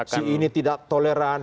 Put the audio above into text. si ini tidak toleran